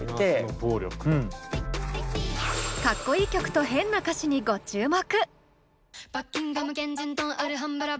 かっこいい曲と変な歌詞にご注目。